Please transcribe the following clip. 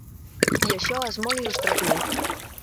I això és molt il·lustratiu.